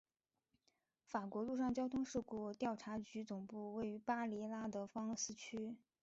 法国陆上交通事故调查局总部位于巴黎拉德芳斯区。